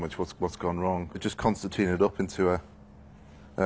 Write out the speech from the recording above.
ええ。